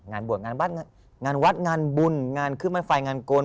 งานบวชงานบัตรงานวัดงานบุญงานขึ้นมาฟัยงานโกน